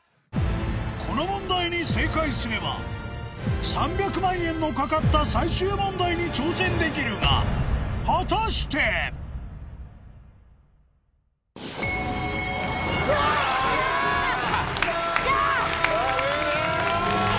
この問題に正解すれば３００万円の懸かった最終問題に挑戦できるが果たして⁉やった！